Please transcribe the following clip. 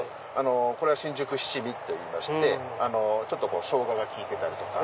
これは新宿七味といいましてショウガが効いてたりとか。